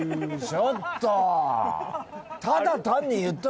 ちょっと！